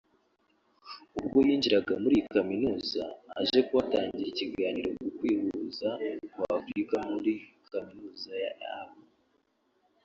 ubwo yinjiraga muri iyi kaminuza aje kuhatangira ikiganiro ku kwihuza kwa Afurika muri kaminuza yabo